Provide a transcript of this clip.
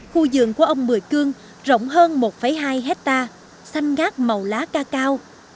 khu vườn của ông mười cương rộng hơn một hai hectare xanh ngát màu lá ca cao